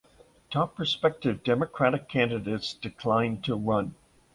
Top prospective Democratic candidates declined to run.